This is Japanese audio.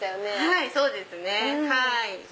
はいそうですね。